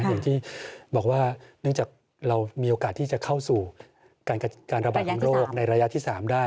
อย่างที่บอกว่าเนื่องจากเรามีโอกาสที่จะเข้าสู่การระบาดของโรคในระยะที่๓ได้